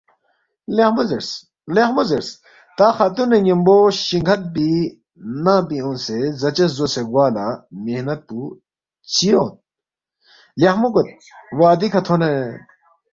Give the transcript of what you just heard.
لیخمو زیرس، لیخمو زیرس، تا خاتُون نہ ن٘یمبو شِنگ کھن پی ننگ پِنگ اونگسے زاچس زوسےگوا لہ محنت پو چِہ یود؟ لیخمو گوید، وعدی کھہ تھونید